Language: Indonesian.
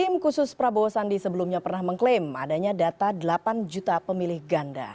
tim khusus prabowo sandi sebelumnya pernah mengklaim adanya data delapan juta pemilih ganda